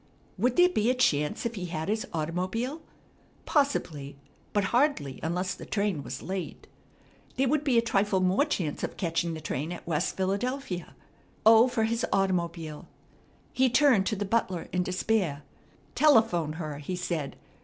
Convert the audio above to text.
Would there be a chance if he had his automobile? Possibly, but hardly unless the train was late. There would be a trifle more chance of catching the train at West Philadelphia. O for his automobile! He turned to the butler in despair. "Telephone her!" he said.